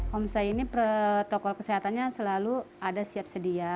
homestay ini protokol kesehatannya selalu ada siap sedia